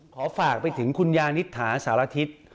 ขอฝากไปถึงคุณยานิษฐาสารทิศ